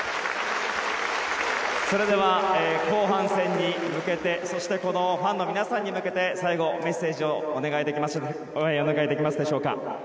それでは後半戦に向けてそして、ファンの皆さんに向けて最後、メッセージをお願いできますでしょうか。